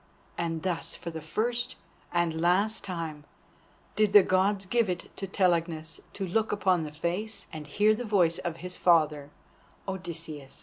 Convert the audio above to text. And thus for the first and last time did the Gods give it to Telegonus to look upon the face and hear the voice of his father, Odysseus.